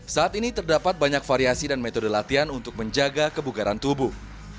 saat ini terdapat banyak variasi dan metode latihan untuk menjaga kebugaran tubuh